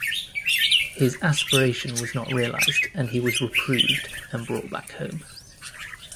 His aspiration was not realized and he was reproved and brought back home.